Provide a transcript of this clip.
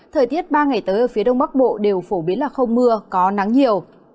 thời tiết ba ngày tới ở phía đông bắc bộ đều phổ biến là không mưa có nắng nhiều